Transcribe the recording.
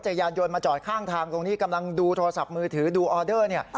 ยานยนต์มาจอดข้างทางตรงนี้กำลังดูโทรศัพท์มือถือดูออเดอร์เนี่ย